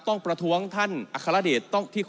ต้องประท้วงท่านอาคารเดชน์